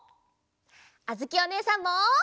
あづきおねえさんも。